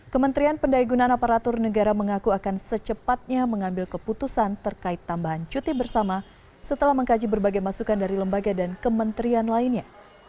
kementerian pendaya gunaan aparatur negara mengaku akan secepatnya mengambil keputusan terkait tambahan cuti bersama setelah mengkaji berbagai masukan dari lembaga dan kementerian lainnya